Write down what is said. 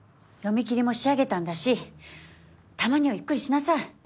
読み切りも仕上げたんだしたまにはゆっくりしなさい。